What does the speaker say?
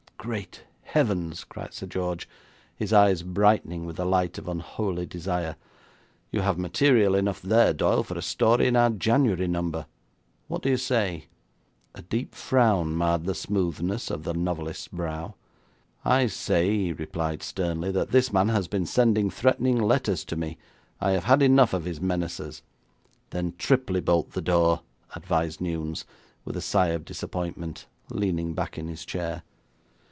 'Great heavens!' cried Sir George, his eyes brightening with the light of unholy desire, 'you have material enough there, Doyle, for a story in our January number. What do you say?' A deep frown marred the smoothness of the novelist's brow. 'I say,' he replied sternly, 'that this man has been sending threatening letters to me. I have had enough of his menaces.' 'Then triply bolt the door,' advised Newnes, with a sigh of disappointment, leaning back in his chair.